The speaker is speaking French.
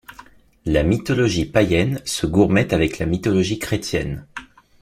La mythologie païenne se gourmait avec la mythologie chrétienne.